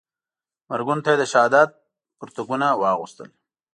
مرګونو ته یې د شهادت پرتګونه وراغوستل.